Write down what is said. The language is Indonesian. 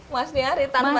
masnihari tanpa siregar